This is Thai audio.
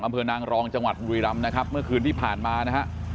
อำเภอนางรองจังหวัดบุรีรำนะครับเมื่อคืนที่ผ่านมานะฮะ